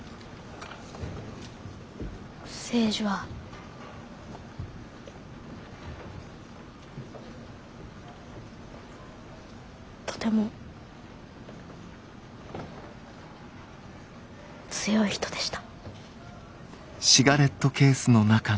誠司はとても強い人でした。